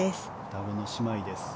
双子の姉妹です。